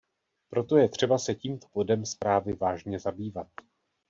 Proto je třeba se tímto bodem zprávy vážné zabývat.